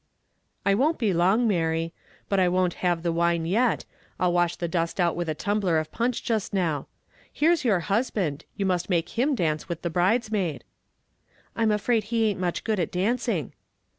"I won't be so long, Mary; but I won't have the wine yet, I'll wash the dust out with a tumbler of punch just now. Here's your husband, you must make him dance with the bridesmaid." "I'm afraid then he ain't much good at dancing."